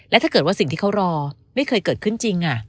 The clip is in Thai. ถ้าเกิดว่าสิ่งที่เขารอไม่เคยเกิดขึ้นจริง